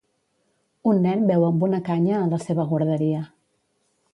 Un nen beu amb una canya a la seva guarderia.